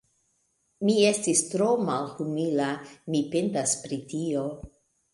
Mi estis tro malhumila: mi pentas pri tio.